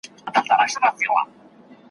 مږندي مي ښایستې یوه تر بلي ګړندۍ دي `